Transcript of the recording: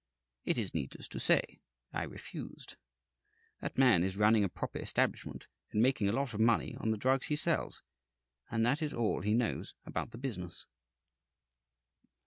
It is needless to say I refused. That man is running a proper establishment and making a lot of money on the drugs he sells, and that is all he knows about the business."